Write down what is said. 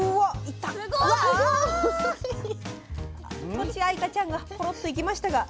とちあいかちゃんがコロッといきましたが。